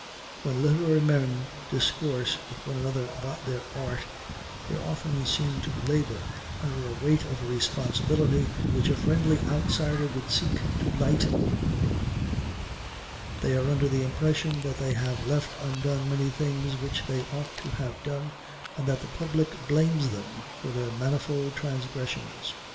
When literary men discourse with one another about their art, they often seem to labor under a weight of responsibility which a friendly outsider would seek to lighten. They are under the impression that they have left undone many things which they ought to have done, and that the Public blames them for their manifold transgressions.